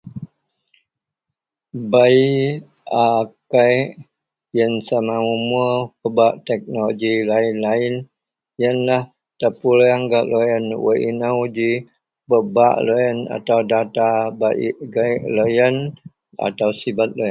Bei a kei yian sama umur pebak teknologi lain-lain yianlah terpulang gak loyian wak inou ji bebak atau data bebak igek loyian atau sibat loyian.